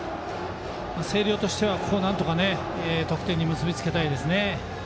星稜としてはなんとか得点に結び付けたいですね。